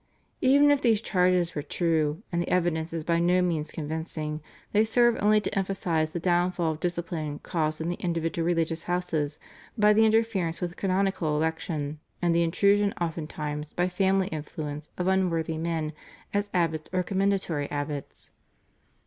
Even if these charges were true, and the evidence is by no means convincing, they serve only to emphasise the downfall of discipline caused in the individual religious houses by the interference with canonical election, and the intrusion oftentimes by family influence of unworthy men as abbots or commendatory abbots.